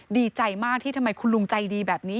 ดีใจมากที่ทำไมคุณลุงใจดีแบบนี้